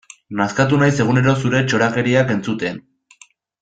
Nazkatu naiz egunero zure txorakeriak entzuten.